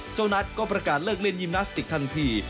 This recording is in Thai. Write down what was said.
เจ้านัทก็ประกาศเลิกเล่นยิมนาสติกทันที